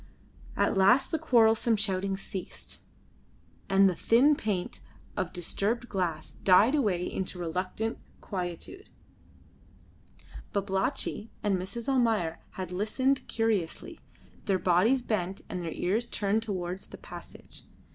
At last the quarrelsome shouting ceased, and the thin plaint of disturbed glass died away into reluctant quietude. Babalatchi and Mrs. Almayer had listened curiously, their bodies bent and their ears turned towards the passage.